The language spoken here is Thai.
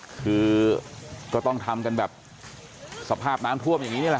คือก็ต้องทำกันแบบสภาพน้ำท่วมอย่างนี้นี่แหละ